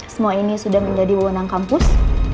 semua ini sudah menjadi wewenang kampus